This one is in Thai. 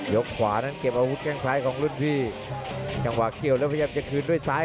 ระหว่างแข่งเสริมเข้าไปครับสำหรับแสน